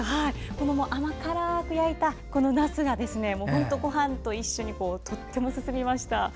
甘辛く焼いたなすがごはんと一緒にとても進みました。